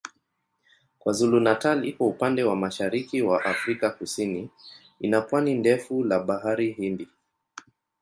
KwaZulu-Natal iko upande wa mashariki wa Afrika Kusini ina pwani ndefu la Bahari Hindi.